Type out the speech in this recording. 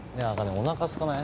おなかすかない？